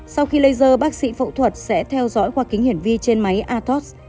sau khi laser bác sĩ phẫu thuật sẽ theo dõi qua kính hiển vi trên máy atos